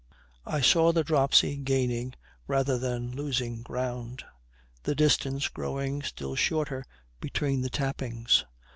I saw the dropsy gaining rather than losing ground; the distance growing still shorter between the tappings.